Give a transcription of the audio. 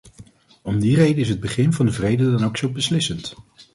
Om die reden is het begin van de vrede dan ook zo beslissend.